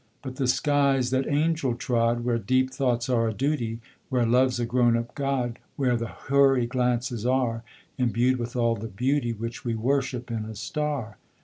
But the skies that angel trod, Where deep thoughts are a duty Where Love's a grown up God Where the Houri glances are Imbued with all the beauty Which we worship in a star.